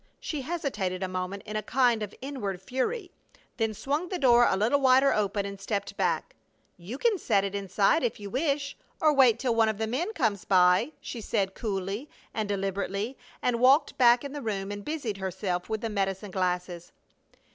She hesitated a moment in a kind of inward fury, then swung the door a little wider open and stepped back: "You can set it inside if you wish, or wait till one of the men comes by," she said, coolly, and deliberately walked back in the room and busied herself with the medicine glasses.